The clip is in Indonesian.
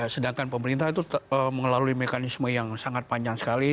sedangkan pemerintah itu melalui mekanisme yang sangat panjang sekali